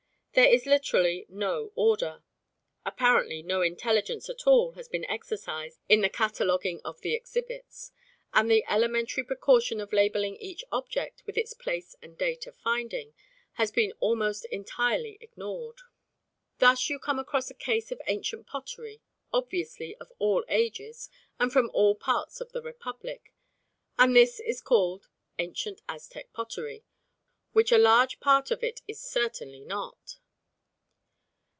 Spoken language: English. There is literally no order; apparently no intelligence at all has been exercised in the cataloguing of the exhibits; and the elementary precaution of labelling each object with its place and date of finding has been almost entirely ignored. Thus you come across a case of ancient pottery obviously of all ages and from all parts of the Republic, and this is called "Ancient Aztec Pottery," which a large part of it is certainly not.